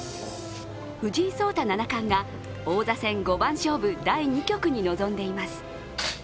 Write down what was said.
藤井聡太七冠が王座戦五番勝負第２局に臨んでいます。